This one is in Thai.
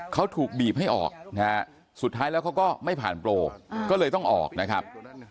เขาถูกบีบให้ออกนะฮะสุดท้ายแล้วเขาก็ไม่ผ่านโปรก็เลยต้องออกนะครับ